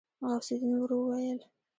غوث الدين ورو وويل.